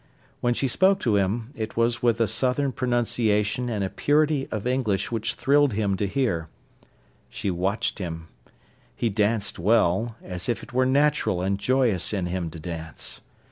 When she spoke to him, it was with a southern pronunciation and a purity of English which thrilled him to hear. She watched him. He danced well, as if it were natural and joyous in him to dance.